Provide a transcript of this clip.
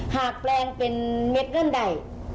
หากแปลงเป็นเม็ดเงินใด